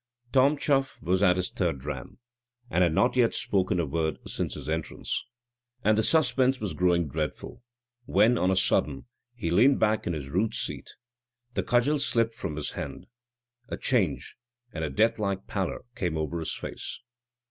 Tom Chuff was at his third dram, and had not yet spoken a word since his entrance, and the suspense was growing dreadful, when, on a sudden, he leaned back in his rude seat, the cudgel slipped from his hand, a change and a death like pallor came over his face.